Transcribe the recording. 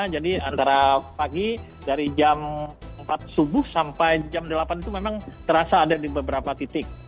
jadi antara pagi dari jam empat subuh sampai jam delapan itu memang terasa ada di beberapa titik